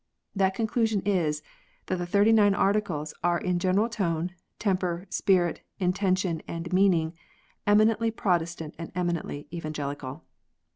That con clusion is, that the Thirty nine Articles are in general tone, temper, spirit, intention, and meaning, eminently Protestant and eminently Evangelical.